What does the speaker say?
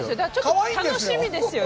楽しみですよね。